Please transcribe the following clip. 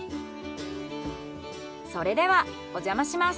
それではおじゃまします。